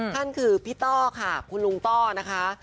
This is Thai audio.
ท่านคือพี่ต้อค่ะคุณลุงต้อนะคะ